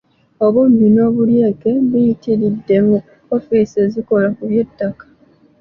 Obubbi n’obulyake biyitiridde mu ofiisi ezikola ku by’ettaka.